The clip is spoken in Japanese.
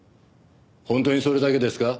本当にそれだけですか？